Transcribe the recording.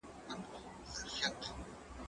مځکه له سړک ښه ده؟